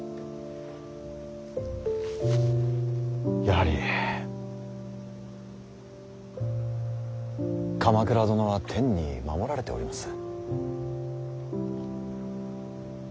やはり鎌倉殿は天に守られております。